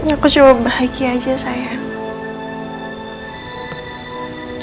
aku cuma bahagia aja sayang